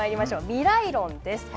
未来論です。